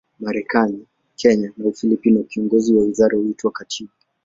Marekani, Kenya na Ufilipino, kiongozi wa wizara huitwa katibu.